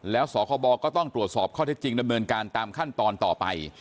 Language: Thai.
แล้วสคบก็ต้องตรวจสอบข้อเท็จจริงดำเนินการตามขั้นตอนต่อไป